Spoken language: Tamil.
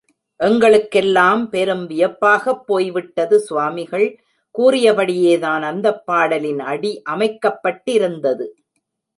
எங்களுக்கெல்லாம் பெரும் வியப்பாகப் போய்விட்டது, சுவாமிகள் கூறியபடியேதான் அந்தப் பாடலின் அடி அமைக்கப்பட்டிருந்தது.